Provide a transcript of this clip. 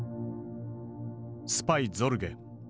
「スパイ・ゾルゲ」。